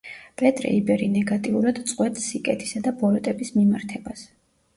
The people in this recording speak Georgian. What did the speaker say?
პეტრე იბერი ნეგატიურად წყვეტს სიკეთისა და ბოროტების მიმართებას.